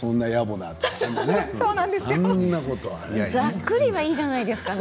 ざっくりでいいじゃないですかね。